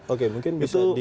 oke mungkin bisa di